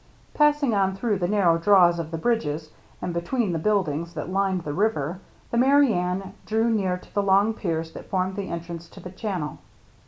Passing on through the narrow draws of the bridges and between the buildings that lined the river, the Merry Anne drew near to the long piers that formed the entrance to the channel.